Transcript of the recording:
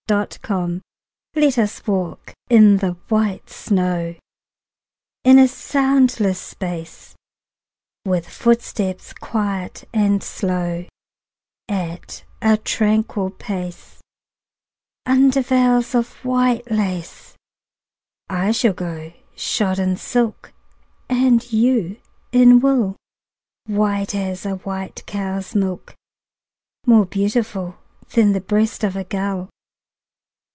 VELVET SHOES Let us walk in the white snow In a soundless space; With footsteps quiet and slow, At a tranquil pace, Under veils of white lace. I shall go shod in silk, And you in wool, White as a white cow's milk, More beautiful Than the breast of a gull.